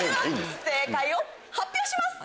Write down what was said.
正解を発表します！